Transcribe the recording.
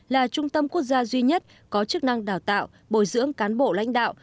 là trung tâm quốc gia duy nhất có chức năng đào tạo bồi dưỡng cán bộ lãnh đạo